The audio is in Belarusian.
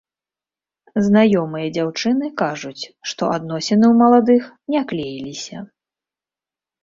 Знаёмыя дзяўчыны кажуць, што адносіны ў маладых не клеіліся.